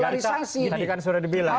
tadi kan sudah dibilang